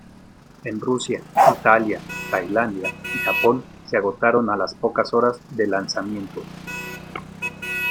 En Rusia, Italia, Tailandia y Japón se agotaron a las pocas horas de lanzamiento.